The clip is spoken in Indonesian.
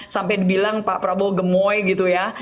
sampai dibilang pak prabowo gemoy